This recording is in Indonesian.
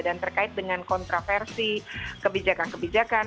dan terkait dengan kontraversi kebijakan kebijakan